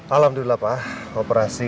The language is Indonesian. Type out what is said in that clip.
alhamdulillah pak operasi